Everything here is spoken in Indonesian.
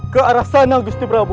ke arah sana gusti prabowo